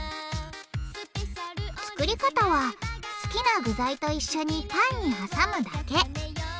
作り方は好きな具材と一緒にパンに挟むだけ。